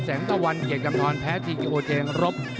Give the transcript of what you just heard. ตะวันเกียรติกำพรแพ้ทีกิโอเจนรบ